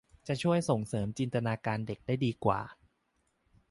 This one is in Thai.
จะช่วยส่งเสริมจินตนาการเด็กได้ดีกว่า